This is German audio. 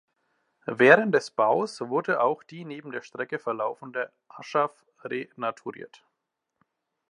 Während des Baus wurde auch die neben der Strecke verlaufende Aschaff renaturiert.